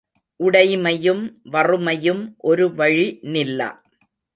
உடைமையும் வறுமையும் ஒரு வழி நில்லா.